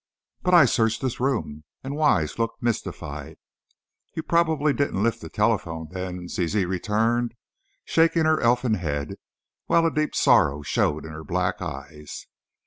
"But I searched this room," and Wise looked mystified. "You probably didn't lift the telephone, then," Zizi returned, shaking her elfin head, while a deep sorrow showed in her black eyes.